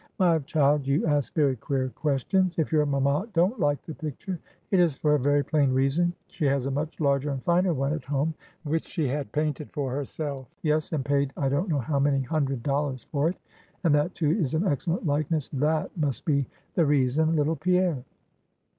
"My child, you ask very queer questions. If your mamma don't like the picture, it is for a very plain reason. She has a much larger and finer one at home, which she had painted for herself; yes, and paid I don't know how many hundred dollars for it; and that, too, is an excellent likeness, that must be the reason, little Pierre."